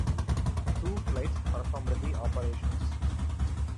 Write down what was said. Two flights performed the operations.